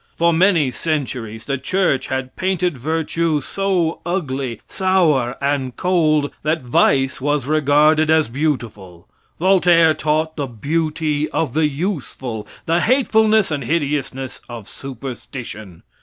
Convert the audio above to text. For many centuries the church had painted virtue so ugly, sour and cold that vice was regarded as beautiful. Voltaire taught the beauty of the useful, the hatefulness and hideousness of superstition.